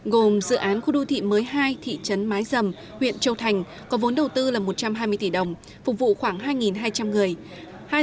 gồm dự án khu đô thị mới hai thị trấn mái dầm huyện châu thành có vốn đầu tư là một trăm hai mươi tỷ đồng phục vụ khoảng hai hai trăm linh người